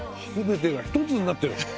全てが一つになってる。